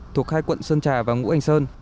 thuộc hai quận sơn trà và ngũ anh sơn